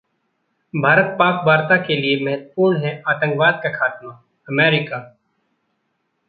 भारत-पाक वार्ता के लिए महत्वपूर्ण है आतंकवाद का खात्मा: अमेरिका